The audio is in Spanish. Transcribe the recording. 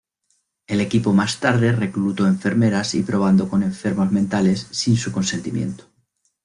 El equipo más tarde reclutó enfermeras y probando con enfermos mentales sin su consentimiento.